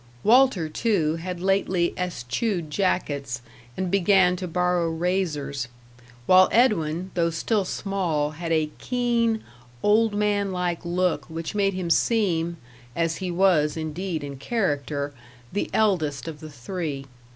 Walter, too, had lately eschewed jackets, and began to borrow razors; while Edwin, though still small, had a keen, old man like look, which made him seem as he was, indeed, in character the eldest of the three.